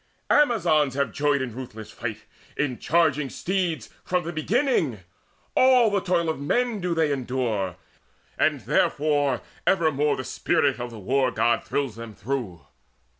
Amazons Have joyed in ruthless fight, in charging steeds, From the beginning: all the toil of men Do they endure; and therefore evermore The spirit of the War god thrills them through.